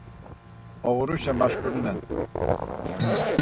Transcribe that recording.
Oğuruşen maşkurinen.